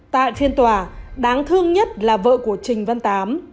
tại phiên tòa đáng thương nhất là vợ của trình văn tám